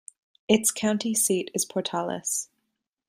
Its county seat is Portales.